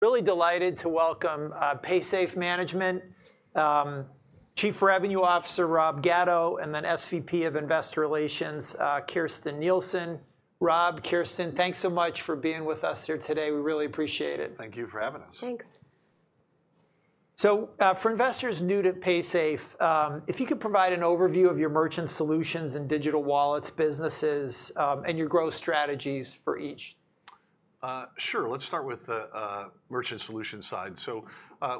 Really delighted to welcome Paysafe Management Chief Revenue Officer Rob Gatto and then SVP of Investor Relations Kirsten Nielsen. Rob, Kirsten, thanks so much for being with us here today. We really appreciate it. Thank you for having us. Thanks. For investors new to Paysafe, if you could provide an overview of your Merchant Solutions and Digital Wallets businesses and your growth strategies for each? Sure. Let's start with the Merchant Solution side.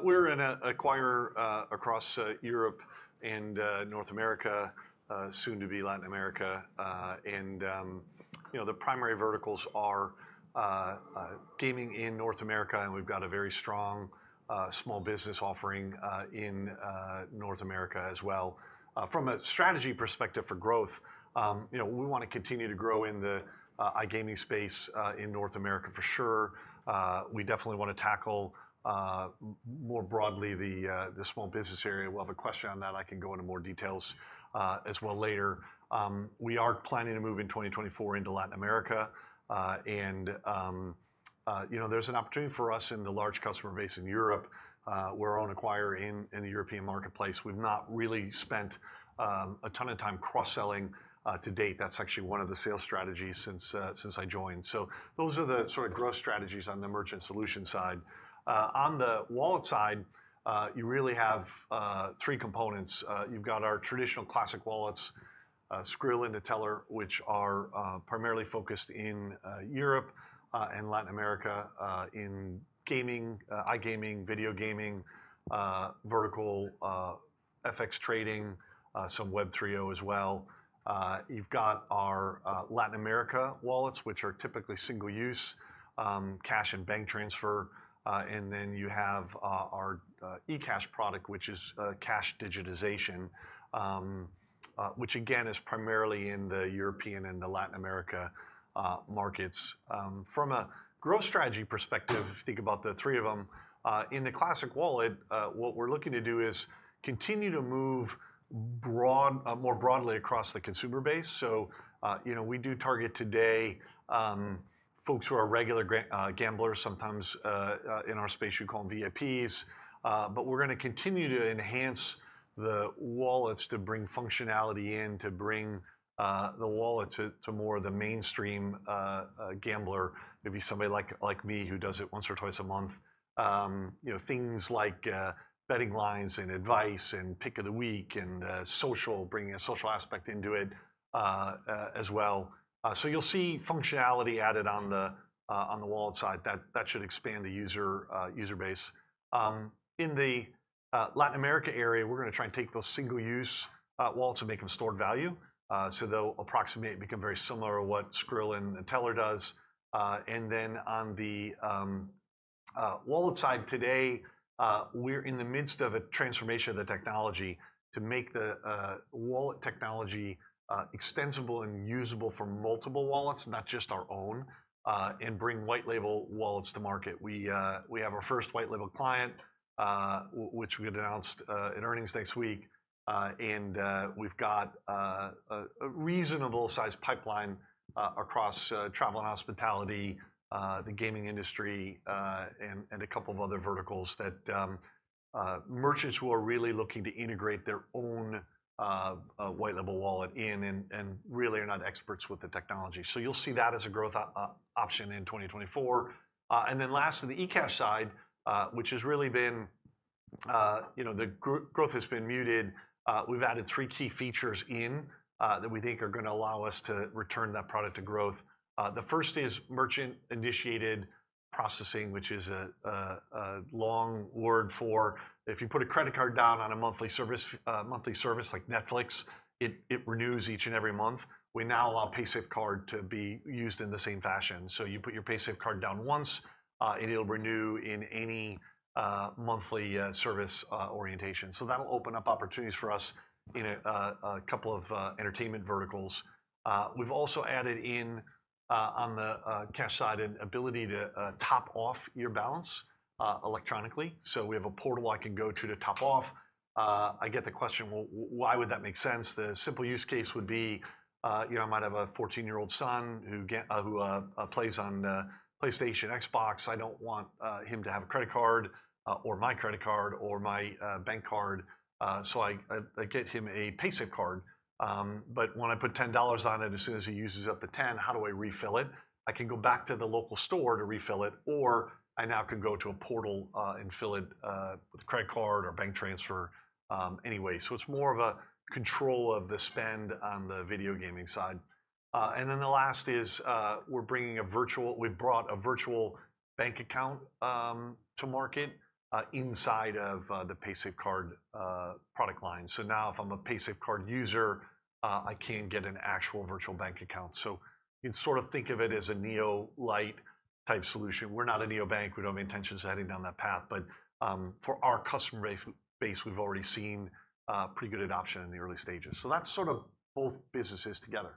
We're an acquirer across Europe and North America, soon to be Latin America. The primary verticals are gaming in North America and we've got a very strong small business offering in North America as well. From a strategy perspective for growth, we want to continue to grow in the iGaming space in North America for sure. We definitely want to tackle more broadly the small business area. We'll have a question on that. I can go into more details as well later. We are planning to move in 2024 into Latin America. There's an opportunity for us in the large customer base in Europe. We're our own acquirer in the European marketplace. We've not really spent a ton of time cross-selling to date. That's actually one of the sales strategies since I joined. Those are the growth strategies on the Merchant Solution side. On the wallet side, you really have three components. You've got our traditional classic wallets, Skrill and NETELLER which are primarily focused in Europe and Latin America in gaming, iGaming, video gaming vertical, FX trading, some Web3 as well. You've got our Latin America wallets, which are typically single-use, cash and bank transfer. Then you have our eCash product, which is cash digitization, which again is primarily in the European and the Latin America markets. From a growth strategy perspective, think about the three of them. In the classic wallet, what we're looking to do is continue to move more broadly across the consumer base. We do target today folks who are regular gamblers, sometimes in our space you call them VIPs. But we're going to continue to enhance the wallets to bring functionality in, to bring the wallet to more of the mainstream gambler, maybe somebody like me who does it once or twice a month. Things like betting lines and advice and pick of the week and social, bringing a social aspect into it as well. You'll see functionality added on the wallet side. That should expand the user base. In the Latin America area, we're going to try and take those single-use wallets and make them stored value. They'll approximate and become very similar to what Skrill and NETELLER does. Then on the wallet side today, we're in the midst of a transformation of the technology to make the wallet technology extensible and usable for multiple wallets, not just our own, and bring White Label wallets to market. We have our first White Label client, which we announced in earnings next week. We've got a reasonable size pipeline across travel and hospitality, the gaming industry, and a couple of other verticals that merchants who are really looking to integrate their own White Label wallet in and really are not experts with the technology. You'll see that as a growth option in 2024. Then lastly, the eCash side, which has really been the growth has been muted. We've added three key features in that we think are going to allow us to return that product to growth. The first is Merchant-Initiated Processing, which is a long word for if you put a credit card down on a monthly service like Netflix, it renews each and every month. We now allow PaysafeCard to be used in the same fashion. You put your PaysafeCard down once and it'll renew in any monthly service orientation. That'll open up opportunities for us in a couple of entertainment verticals. We've also added in on the cash side an ability to top off your balance electronically. We have a portal I can go to to top off. I get the question, why would that make sense? The simple use case would be I might have a 14-year-old son who plays on PlayStation, Xbox. I don't want him to have a credit card or my credit card or my bank card. I get him a PaysafeCard. But when I put $10 on it, as soon as he uses up the $10, how do I refill it? I can go back to the local store to refill it or I now can go to a portal and fill it with a credit card or bank transfer anyway. It's more of a control of the spend on the video gaming side. Then the last is we're bringing a virtual we've brought a Virtual Bank Account to market inside of the PaysafeCard product line. Now if I'm a PaysafeCard user, I can get an actual Virtual Bank Account. You can sort of think of it as a neo-light type solution. We're not a neobank. We don't have intentions of heading down that path. But for our customer base, we've already seen pretty good adoption in the early stages. That's sort of both businesses together.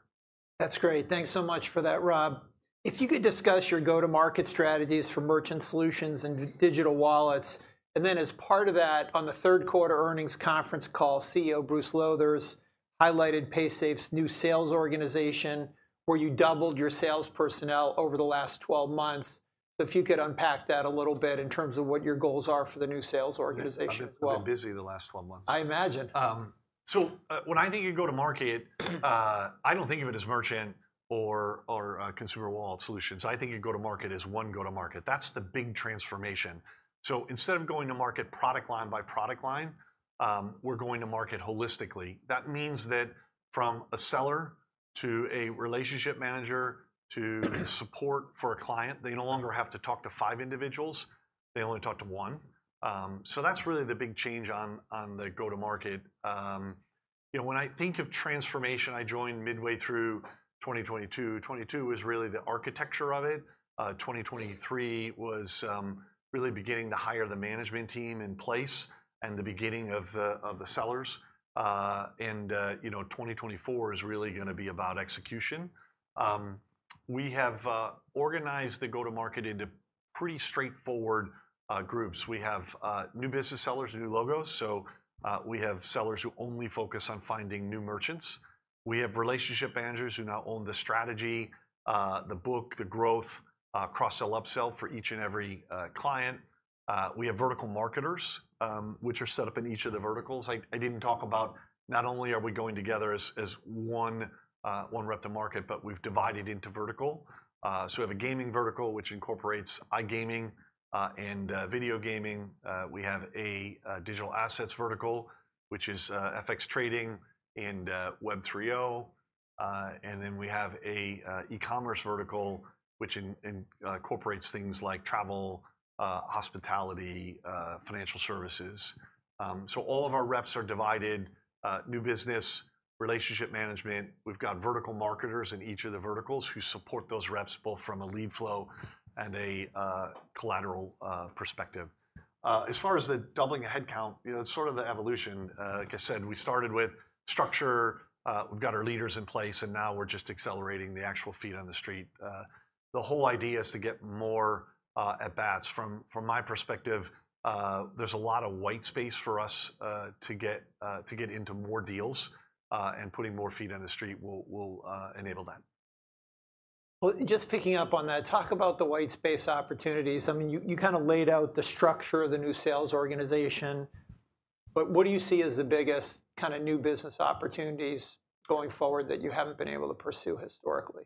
That's great. Thanks so much for that, Rob. If you could discuss your go-to-market strategies for Merchant Solutions and Digital Wallets. Then as part of that, on the third quarter earnings conference call, CEO Bruce Lowthers highlighted Paysafe's new sales organization where you doubled your sales personnel over the last 12 months. If you could unpack that a little bit in terms of what your goals are for the new sales organization as well. I've been busy the last 12 months. I imagine. When I think of go-to-market, I don't think of it as merchant or consumer wallet solutions. I think of go-to-market as one go-to-market. That's the big transformation. Instead of going to market product line by product line, we're going to market holistically. That means that from a seller to a relationship manager to support for a client, they no longer have to talk to five individuals. They only talk to one. That's really the big change on the go-to-market. When I think of transformation, I joined midway through 2022. 2022 was really the architecture of it. 2023 was really beginning to hire the management team in place and the beginning of the sellers. 2024 is really going to be about execution. We have organized the go-to-market into pretty straightforward groups. We have new business sellers, new logos. We have sellers who only focus on finding new merchants. We have relationship managers who now own the strategy, the book, the growth, cross-sell, upsell for each and every client. We have vertical marketers, which are set up in each of the verticals. I didn't talk about not only are we going together as one rep to market, but we've divided into vertical. We have a gaming vertical, which incorporates iGaming and video gaming. We have a digital assets vertical, which is FX trading and Web3. Then we have an e-commerce vertical, which incorporates things like travel, hospitality, financial services. All of our reps are divided: new business, relationship management. We've got vertical marketers in each of the verticals who support those reps both from a lead flow and a collateral perspective. As far as the doubling headcount, it's sort of the evolution. Like I said, we started with structure. We've got our leaders in place and now we're just accelerating the actual feet on the street. The whole idea is to get more at bats. From my perspective, there's a lot of white space for us to get into more deals and putting more feet on the street will enable that. Just picking up on that, talk about the white space opportunities. You kind of laid out the structure of the new sales organization. But what do you see as the biggest kind of new business opportunities going forward that you haven't been able to pursue historically?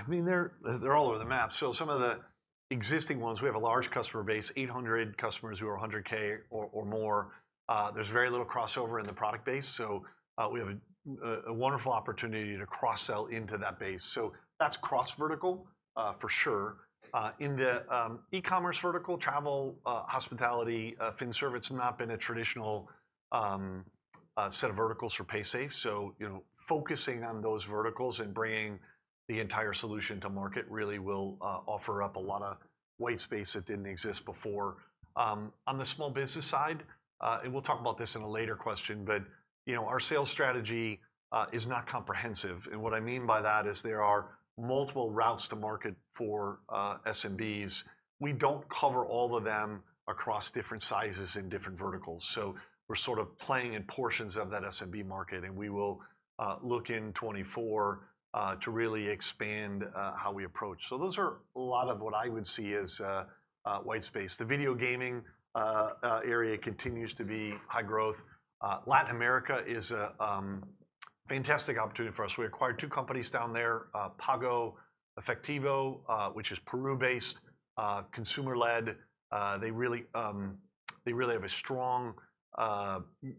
They're all over the map. Some of the existing ones, we have a large customer base, 800 customers who are 100,000 or more. There's very little crossover in the product base. We have a wonderful opportunity to cross-sell into that base. That's cross-vertical for sure. In the e-commerce vertical, travel, hospitality, FinServ, it's not been a traditional set of verticals for Paysafe. Focusing on those verticals and bringing the entire solution to market really will offer up a lot of white space that didn't exist before. On the small business side, and we'll talk about this in a later question, but our sales strategy is not comprehensive. What I mean by that is there are multiple routes to market for SMBs. We don't cover all of them across different sizes in different verticals. We're sort of playing in portions of that SMB market and we will look in 2024 to really expand how we approach. Those are a lot of what I would see as white space. The video gaming area continues to be high growth. Latin America is a fantastic opportunity for us. We acquired two companies down there, PagoEfectivo, which is Peru-based, consumer-led. They really have a strong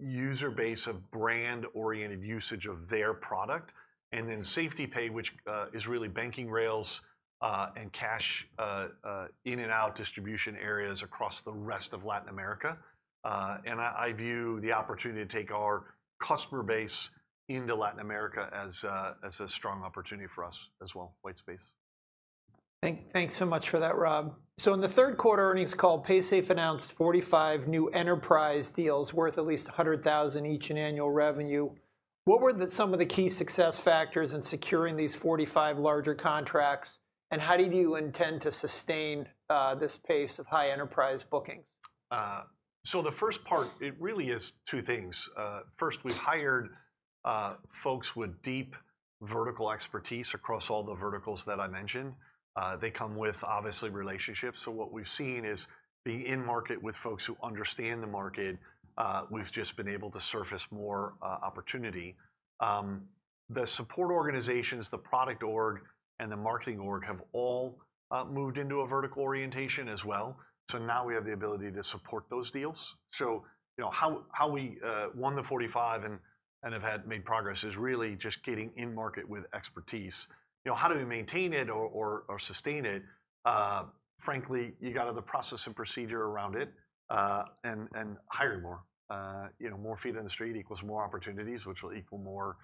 user base of brand-oriented usage of their product. Then SafetyPay, which is really banking rails and cash in and out distribution areas across the rest of Latin America. I view the opportunity to take our customer base into Latin America as a strong opportunity for us as well, white space. Thanks so much for that, Rob. In the third quarter earnings call, Paysafe announced 45 new enterprise deals worth at least $100,000 each in annual revenue. What were some of the key success factors in securing these 45 larger contracts? How did you intend to sustain this pace of high enterprise bookings? The first part, it really is two things. First, we've hired folks with deep vertical expertise across all the verticals that I mentioned. They come with obviously relationships. What we've seen is being in market with folks who understand the market. We've just been able to surface more opportunity. The support organizations, the product org, and the marketing org have all moved into a vertical orientation as well. Now we have the ability to support those deals. How we won the 45 and have made progress is really just getting in market with expertise. How do we maintain it or sustain it? Frankly, you got to have the process and procedure around it and hire more. More feet on the street equals more opportunities, which will equal more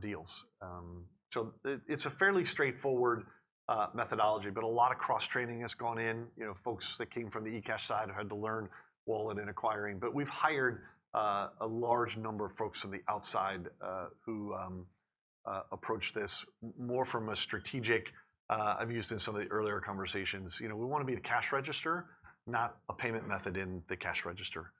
deals. It's a fairly straightforward methodology, but a lot of cross-training has gone in. Folks that came from the eCash side have had to learn wallet and acquiring. But we've hired a large number of folks from the outside who approached this more from a strategic, I've used in some of the earlier conversations. We want to be a cash register, not a payment method in the cash register.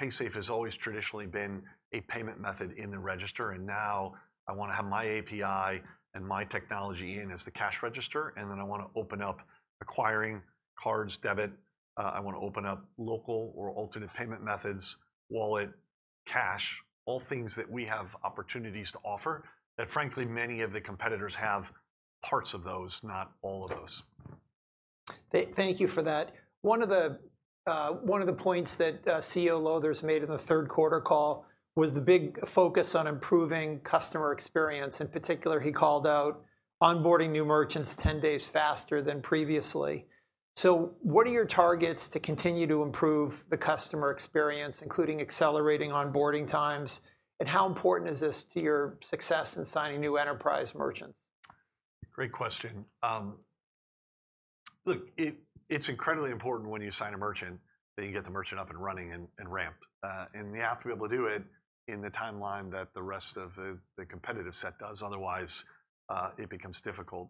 Paysafe has always traditionally been a payment method in the register. Now I want to have my API and my technology in as the cash register. Then I want to open up acquiring cards, debit. I want to open up local or alternate payment methods, wallet, cash, all things that we have opportunities to offer that frankly many of the competitors have parts of those, not all of those. Thank you for that. One of the points that CEO Lowthers made in the third quarter call was the big focus on improving customer experience. In particular, he called out onboarding new merchants 10 days faster than previously. What are your targets to continue to improve the customer experience, including accelerating onboarding times? How important is this to your success in signing new enterprise merchants? Great question. It's incredibly important when you sign a merchant that you get the merchant up and running and ramped. You have to be able to do it in the timeline that the rest of the competitive set does. Otherwise, it becomes difficult.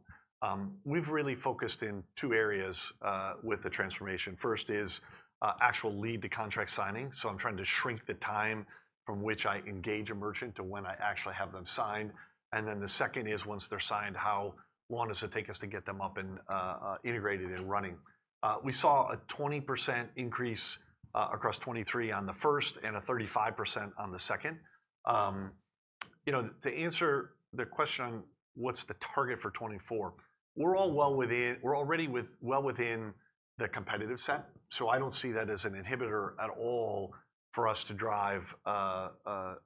We've really focused in two areas with the transformation. First is actual lead to contract signing. I'm trying to shrink the time from which I engage a merchant to when I actually have them signed. Then the second is once they're signed, how long does it take us to get them up and integrated and running? We saw a 20% increase across 2023 on the first and a 35% on the second. To answer the question on what's the target for 2024, we're all well within. We're already well within the competitive set. I don't see that as an inhibitor at all for us to drive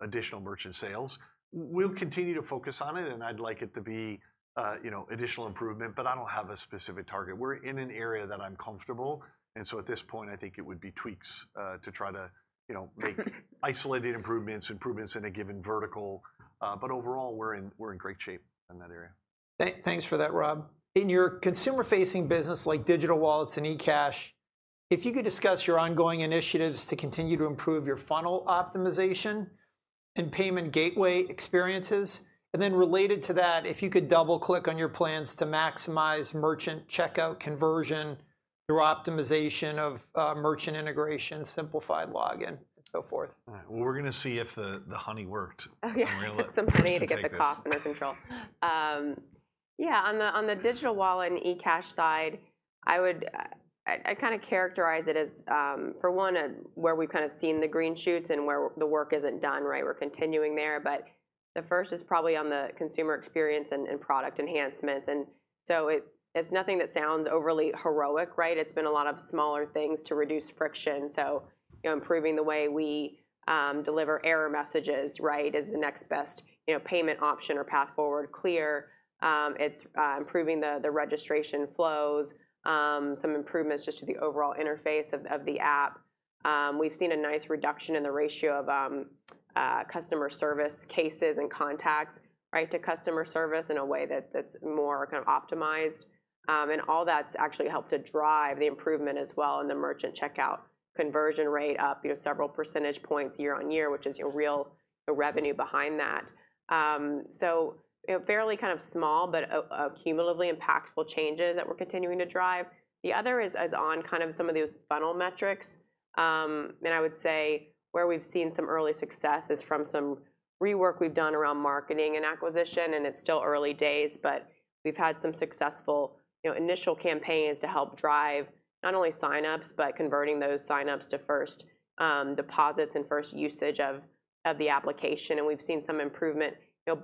additional merchant sales. We'll continue to focus on it and I'd like it to be additional improvement, but I don't have a specific target. We're in an area that I'm comfortable. At this point, I think it would be tweaks to try to make isolated improvements, improvements in a given vertical. But overall, we're in great shape in that area. Thanks for that, Rob. In your consumer-facing business like Digital Wallets and eCash, if you could discuss your ongoing initiatives to continue to improve your funnel optimization and payment gateway experiences? Then related to that, if you could double-click on your plans to maximize merchant checkout conversion through optimization of merchant integration, simplified login, and so forth? We're going to see if the honey worked. It took some honey to get the cough under control. Yeah. On the Digital Wallet and eCash side, I kind of characterize it as, for one, where we've kind of seen the green shoots and where the work isn't done. We're continuing there. But the first is probably on the consumer experience and product enhancements. It's nothing that sounds overly heroic. It's been a lot of smaller things to reduce friction. Improving the way we deliver error messages is the next best payment option or path forward, clear. Improving the registration flows, some improvements just to the overall interface of the app. We've seen a nice reduction in the ratio of customer service cases and contacts to customer service in a way that's more kind of optimized. All that's actually helped to drive the improvement as well in the merchant checkout conversion rate up several percentage points year-on-year, which is really the revenue behind that. Fairly kind of small, but cumulatively impactful changes that we're continuing to drive. The other is on kind of some of those funnel metrics. I would say where we've seen some early success is from some rework we've done around marketing and acquisition. It's still early days, but we've had some successful initial campaigns to help drive not only signups, but converting those signups to first deposits and first usage of the application. We've seen some improvement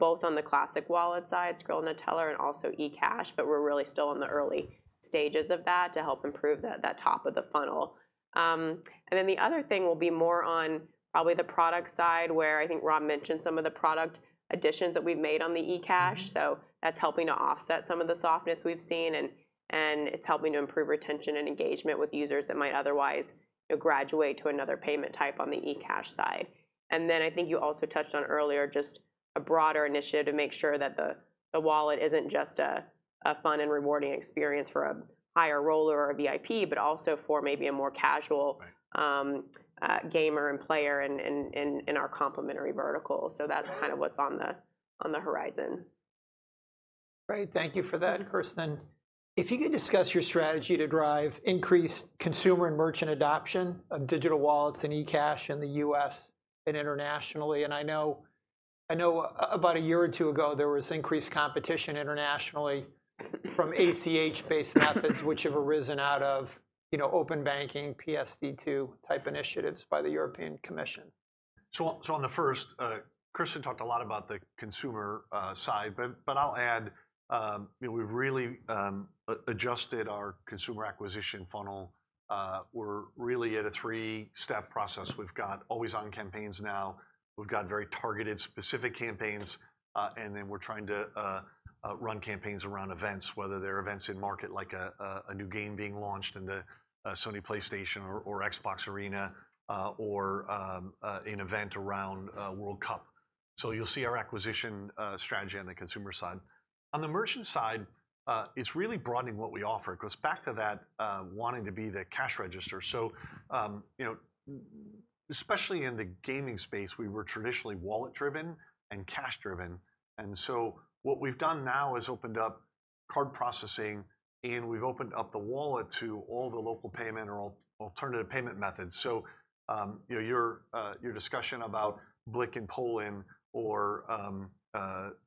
both on the classic wallet side, Skrill and NETELLER, and also eCash. But we're really still in the early stages of that to help improve that top of the funnel. Then the other thing will be more on probably the product side where I think Rob mentioned some of the product additions that we've made on the eCash. That's helping to offset some of the softness we've seen. It's helping to improve retention and engagement with users that might otherwise graduate to another payment type on the eCash side. Then I think you also touched on earlier just a broader initiative to make sure that the wallet isn't just a fun and rewarding experience for a high roller or a VIP, but also for maybe a more casual gamer and player in our complementary vertical. That's kind of what's on the horizon. Great. Thank you for that, Kirsten. If you could discuss your strategy to drive increased consumer and merchant adoption of Digital Wallets and eCash in the U.S. and internationally? I know about a year or two ago there was increased competition internationally from ACH-based methods, which have arisen out of open banking, PSD2-type initiatives by the European Commission. On the first, Kirsten talked a lot about the consumer side, but I'll add we've really adjusted our consumer acquisition funnel. We're really at a three-step process. We've got always-on campaigns now. We've got very targeted, specific campaigns. Then we're trying to run campaigns around events, whether they're events in market like a new game being launched in the Sony PlayStation or Xbox Arena or an event around World Cup. You'll see our acquisition strategy on the consumer side. On the merchant side, it's really broadening what we offer. It goes back to that wanting to be the cash register. Especially in the gaming space, we were traditionally wallet-driven and cash-driven. What we've done now is opened up card processing and we've opened up the wallet to all the local payment or alternative payment methods. Your discussion about BLIK in Poland or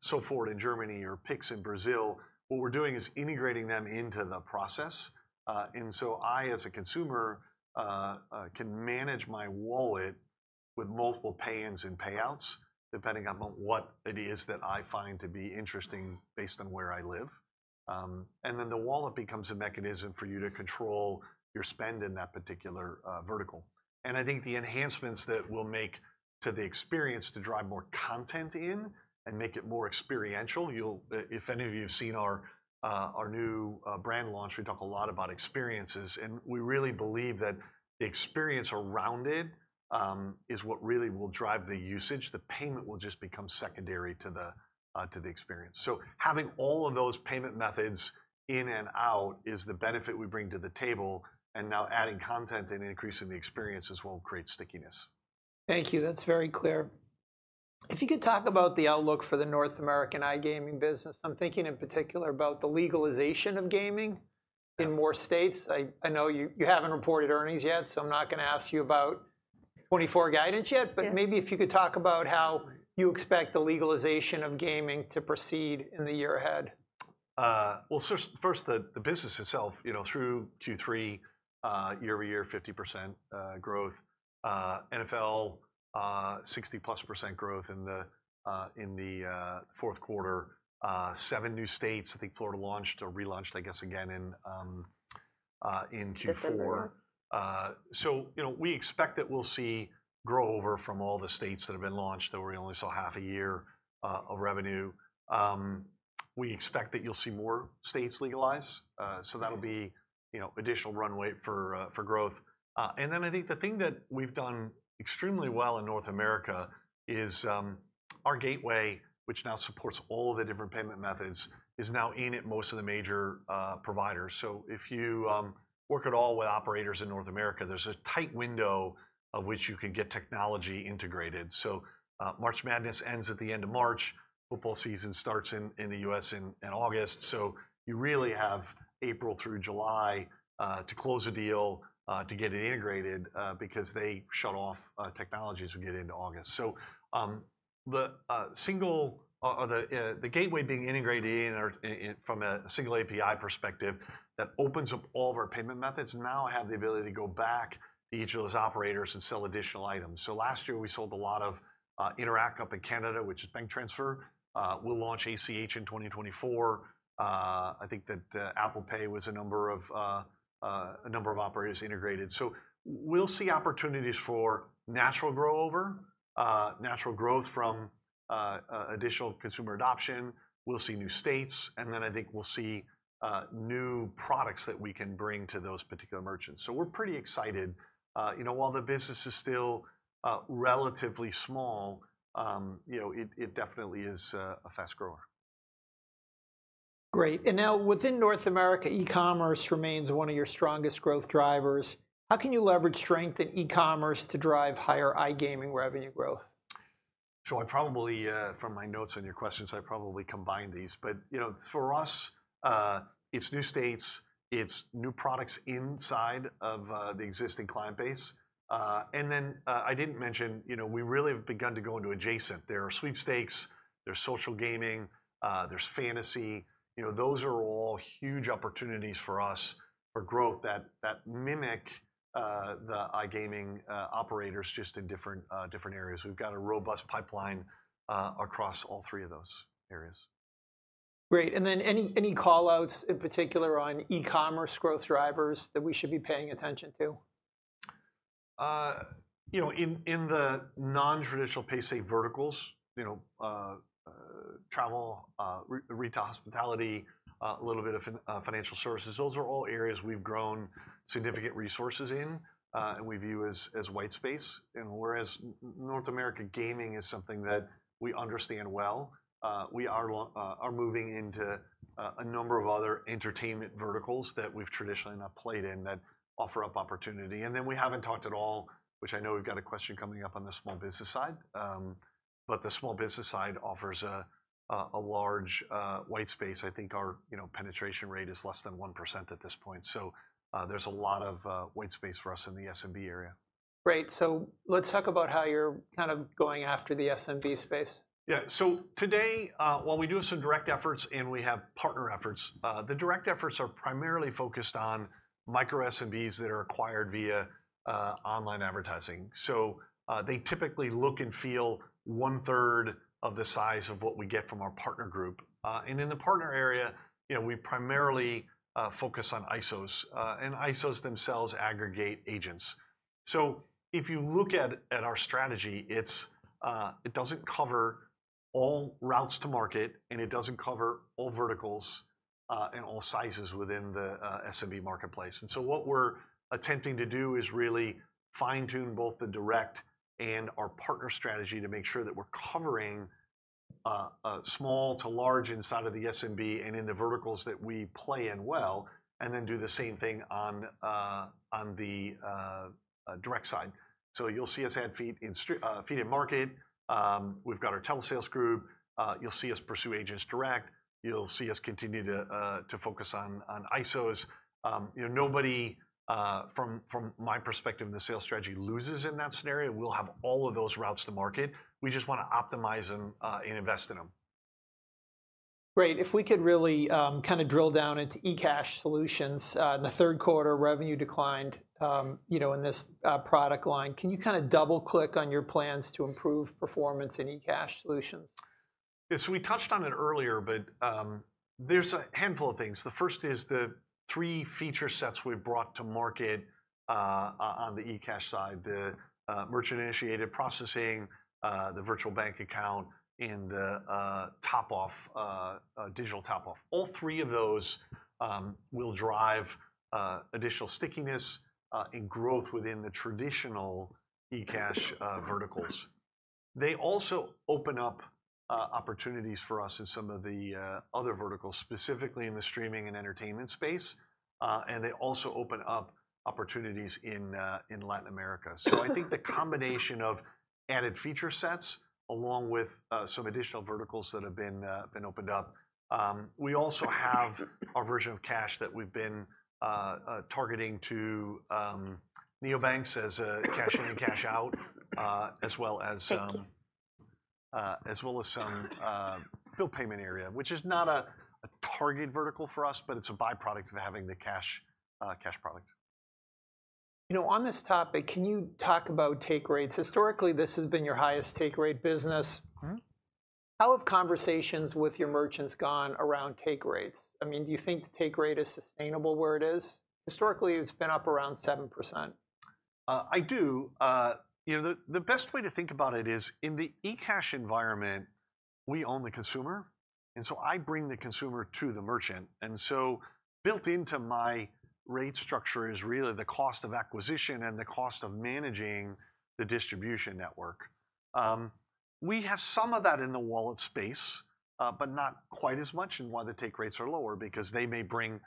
SOFORT in Germany or Pix in Brazil, what we're doing is integrating them into the process. I as a consumer can manage my wallet with multiple pay-ins and pay-outs depending on what it is that I find to be interesting based on where I live. Then the wallet becomes a mechanism for you to control your spend in that particular vertical. I think the enhancements that we'll make to the experience to drive more content in and make it more experiential, if any of you've seen our new brand launch, we talk a lot about experiences. We really believe that the experience around it is what really will drive the usage. The payment will just become secondary to the experience. Having all of those payment methods in and out is the benefit we bring to the table. Now adding content and increasing the experiences will create stickiness. Thank you. That's very clear. If you could talk about the outlook for the North American iGaming business. I'm thinking in particular about the legalization of gaming in more states. I know you haven't reported earnings yet, so I'm not going to ask you about 2024 guidance yet. But maybe if you could talk about how you expect the legalization of gaming to proceed in the year ahead. First, the business itself through Q3, year-over-year, 50% growth. NFL, 60%+ growth in the fourth quarter. Seven new states. I think Florida launched or relaunched, I guess, again in Q4. We expect that we'll see growth over from all the states that have been launched that we only saw half a year of revenue. We expect that you'll see more states legalize. That'll be additional runway for growth. Then I think the thing that we've done extremely well in North America is our gateway, which now supports all of the different payment methods, is now in at most of the major providers. If you work at all with operators in North America, there's a tight window of which you can get technology integrated. March Madness ends at the end of March. Football season starts in the U.S. in August. You really have April through July to close a deal to get it integrated because they shut off technologies to get into August. The gateway being integrated from a single API perspective that opens up all of our payment methods now have the ability to go back to each of those operators and sell additional items. Last year, we sold a lot of Interac up in Canada, which is bank transfer. We'll launch ACH in 2024. I think that Apple Pay was a number of operators integrated. We'll see opportunities for natural growover, natural growth from additional consumer adoption. We'll see new states. Then I think we'll see new products that we can bring to those particular merchants. We're pretty excited. While the business is still relatively small, it definitely is a fast grower. Great. Now within North America, e-commerce remains one of your strongest growth drivers. How can you leverage strength in e-commerce to drive higher iGaming revenue growth? From my notes on your questions, I probably combined these. But for us, it's new states. It's new products inside of the existing client base. Then I didn't mention we really have begun to go into adjacent. There are sweepstakes. There's social gaming. There's fantasy. Those are all huge opportunities for us for growth that mimic the iGaming operators just in different areas. We've got a robust pipeline across all three of those areas. Great. Then any callouts in particular on e-commerce growth drivers that we should be paying attention to? In the non-traditional Paysafe verticals, travel, retail, hospitality, a little bit of financial services, those are all areas we've grown significant resources in and we view as white space. Whereas North America gaming is something that we understand well. We are moving into a number of other entertainment verticals that we've traditionally not played in that offer up opportunity. Then we haven't talked at all, which I know we've got a question coming up on the small business side. But the small business side offers a large white space. I think our penetration rate is less than 1% at this point. There's a lot of white space for us in the SMB area. Great. Let's talk about how you're kind of going after the SMB space. Yeah. Today, while we do have some direct efforts and we have partner efforts, the direct efforts are primarily focused on micro SMBs that are acquired via online advertising. They typically look and feel 1/3 of the size of what we get from our partner group. In the partner area, we primarily focus on ISOs. ISOs themselves aggregate agents. If you look at our strategy, it doesn't cover all routes to market and it doesn't cover all verticals and all sizes within the SMB marketplace. What we're attempting to do is really fine-tune both the direct and our partner strategy to make sure that we're covering small to large inside of the SMB and in the verticals that we play in well. Then do the same thing on the direct side. You'll see us add feet in market. We've got our telesales group. You'll see us pursue agents direct. You'll see us continue to focus on ISOs. Nobody, from my perspective in the sales strategy, loses in that scenario. We'll have all of those routes to market. We just want to optimize them and invest in them. Great. If we could really kind of drill down into eCash solutions, the third quarter revenue declined in this product line. Can you kind of double-click on your plans to improve performance in eCash solutions? We touched on it earlier, but there's a handful of things. The first is the three feature sets we've brought to market on the eCash side. The Merchant-Initiated Processing, the Virtual Bank Account, and the Digital Top-Off. All three of those will drive additional stickiness and growth within the traditional eCash verticals. They also open up opportunities for us in some of the other verticals, specifically in the streaming and entertainment space. They also open up opportunities in Latin America. I think the combination of added feature sets along with some additional verticals that have been opened up. We also have our version of cash that we've been targeting to neobanks as a cash in and cash out, as well as some bill payment area, which is not a target vertical for us, but it's a byproduct of having the cash product. On this topic, can you talk about take rates? Historically, this has been your highest take rate business. How have conversations with your merchants gone around take rates? I mean, do you think the take rate is sustainable where it is? Historically, it's been up around 7%. I do. The best way to think about it is in the eCash environment, we own the consumer. I bring the consumer to the merchant. Built into my rate structure is really the cost of acquisition and the cost of managing the distribution network. We have some of that in the wallet space, but not quite as much in why the take rates are lower because they may bring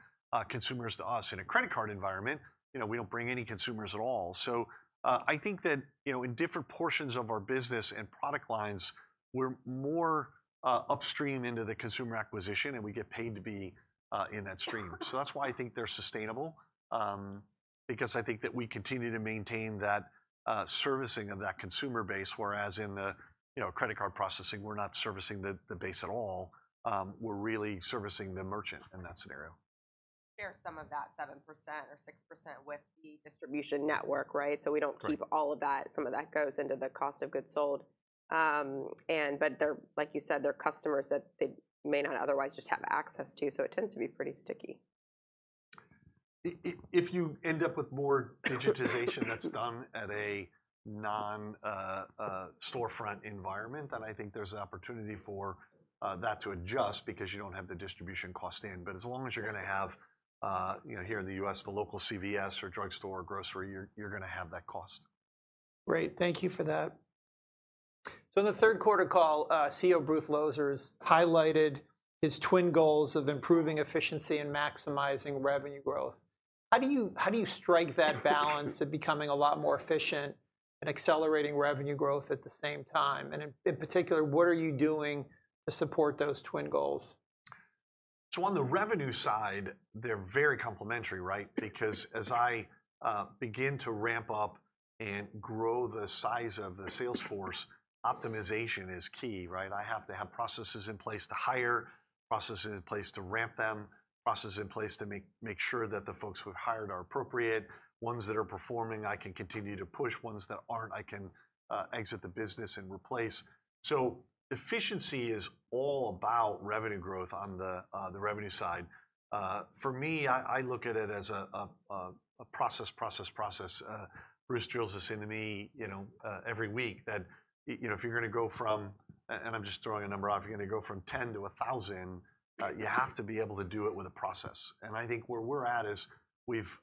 consumers to us in a credit card environment. We don't bring any consumers at all. I think that in different portions of our business and product lines, we're more upstream into the consumer acquisition and we get paid to be in that stream. That's why I think they're sustainable because I think that we continue to maintain that servicing of that consumer base. Whereas in the credit card processing, we're not servicing the base at all. We're really servicing the merchant in that scenario. Share some of that 7%-6% with the distribution network, right? We don't keep all of that. Some of that goes into the cost of goods sold. But like you said, they're customers that they may not otherwise just have access to. It tends to be pretty sticky. If you end up with more digitization that's done at a non-storefront environment, then I think there's an opportunity for that to adjust because you don't have the distribution cost in. But as long as you're going to have here in the U.S., the local CVS or drugstore or grocery, you're going to have that cost. Great. Thank you for that. In the third quarter call, CEO Bruce Lowthers highlighted his twin goals of improving efficiency and maximizing revenue growth. How do you strike that balance of becoming a lot more efficient and accelerating revenue growth at the same time? In particular, what are you doing to support those twin goals? On the revenue side, they're very complementary, right? Because as I begin to ramp up and grow the size of the sales force, optimization is key, right? I have to have processes in place to hire, processes in place to ramp them, processes in place to make sure that the folks we've hired are appropriate. Ones that are performing, I can continue to push. Ones that aren't, I can exit the business and replace. Efficiency is all about revenue growth on the revenue side. For me, I look at it as a process, process, process. Bruce drills this into me every week that if you're going to go from, and I'm just throwing a number off, if you're going to go from 10 to 1,000, you have to be able to do it with a process. I think where we're at is we've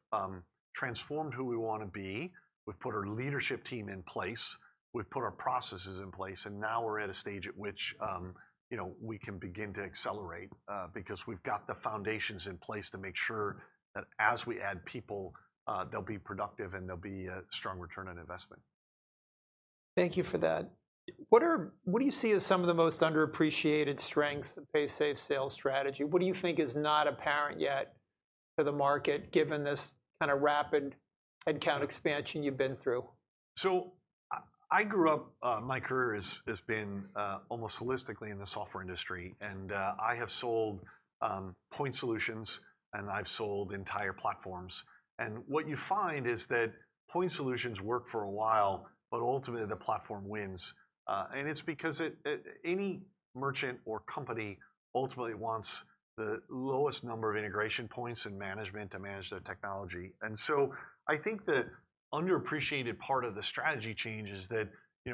transformed who we want to be. We've put our leadership team in place. We've put our processes in place. Now we're at a stage at which we can begin to accelerate because we've got the foundations in place to make sure that as we add people, they'll be productive and they'll be a strong return on investment. Thank you for that. What do you see as some of the most underappreciated strengths of Paysafe's sales strategy? What do you think is not apparent yet to the market given this kind of rapid headcount expansion you've been through? I grew up, my career has been almost holistically in the software industry. I have sold point solutions and I've sold entire platforms. What you find is that point solutions work for a while, but ultimately the platform wins. It's because any merchant or company ultimately wants the lowest number of integration points and management to manage their technology. I think the underappreciated part of the strategy change is that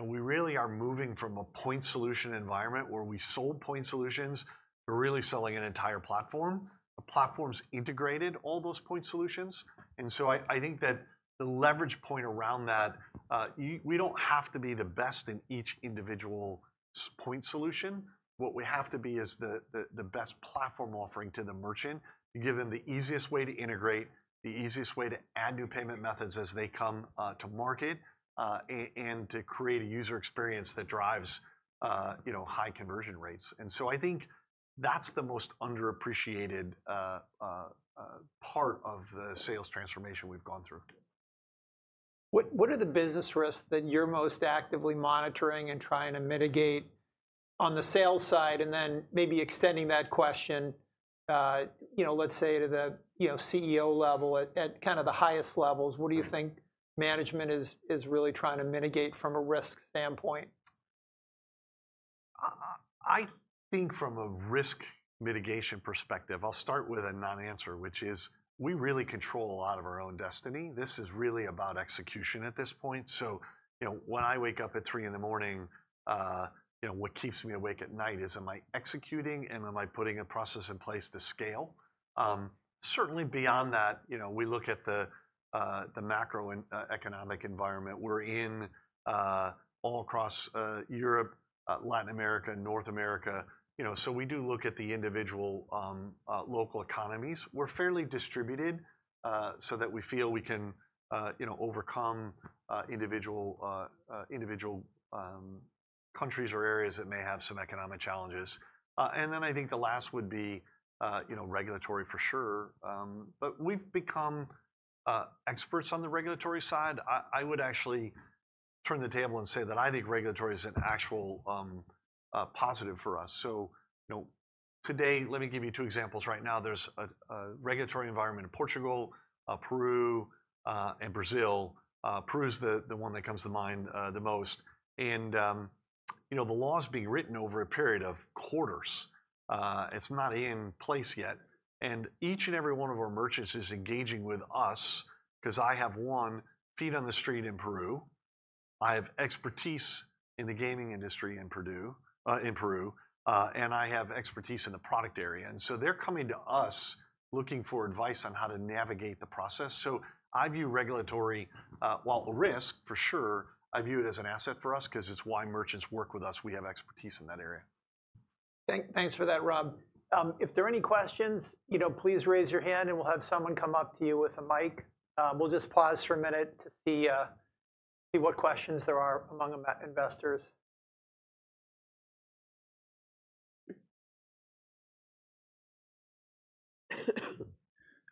we really are moving from a point solution environment where we sold point solutions. We're really selling an entire platform. The platform's integrated all those point solutions. I think that the leverage point around that, we don't have to be the best in each individual point solution. What we have to be is the best platform offering to the merchant to give them the easiest way to integrate, the easiest way to add new payment methods as they come to market, and to create a user experience that drives high conversion rates. I think that's the most underappreciated part of the sales transformation we've gone through. What are the business risks that you're most actively monitoring and trying to mitigate on the sales side? Then maybe extending that question, let's say to the CEO level at kind of the highest levels, what do you think management is really trying to mitigate from a risk standpoint? I think from a risk mitigation perspective, I'll start with a non-answer, which is we really control a lot of our own destiny. This is really about execution at this point. When I wake up at 3:00 A.M., what keeps me awake at night is am I executing and am I putting a process in place to scale? Certainly beyond that, we look at the macroeconomic environment. We're in all across Europe, Latin America, North America. We do look at the individual local economies. We're fairly distributed so that we feel we can overcome individual countries or areas that may have some economic challenges. Then I think the last would be regulatory for sure. But we've become experts on the regulatory side. I would actually turn the table and say that I think regulatory is an actual positive for us. Today, let me give you two examples right now. There's a regulatory environment in Portugal, Peru, and Brazil. Peru is the one that comes to mind the most. The law is being written over a period of quarters. It's not in place yet. Each and every one of our merchants is engaging with us because I have one foot on the street in Peru. I have expertise in the gaming industry in Peru. I have expertise in the product area. They're coming to us looking for advice on how to navigate the process. I view regulatory, while a risk for sure, I view it as an asset for us because it's why merchants work with us. We have expertise in that area. Thanks for that, Rob. If there are any questions, please raise your hand and we'll have someone come up to you with a mic. We'll just pause for a minute to see what questions there are among investors.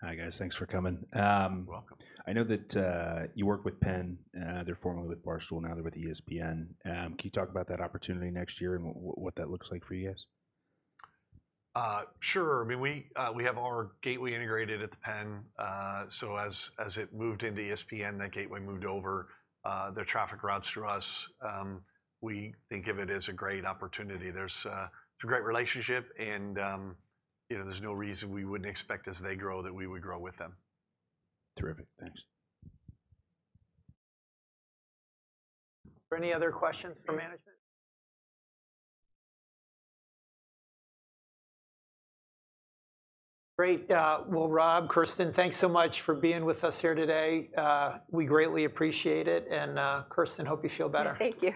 Hi guys. Thanks for coming. I know that you work with PENN. They're formerly with Barstool. Now they're with ESPN. Can you talk about that opportunity next year and what that looks like for you guys? Sure. We have our gateway integrated at the PENN. As it moved into ESPN, that gateway moved over. The traffic routes through us. We think of it as a great opportunity. It's a great relationship. There's no reason we wouldn't expect as they grow that we would grow with them. Terrific. Thanks. Any other questions for management? Great. Well, Rob, Kirsten, thanks so much for being with us here today. We greatly appreciate it. Kirsten, hope you feel better. Thank you.